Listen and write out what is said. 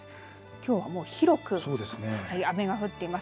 きょうは広く雨が降っています。